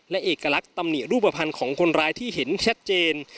และเอกลักษณ์ตำหนิรูปภัณฑ์ของคนร้ายที่เห็นชัดเจน